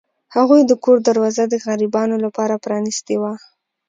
هغه د کور دروازه د غریبانو لپاره پرانیستې وه.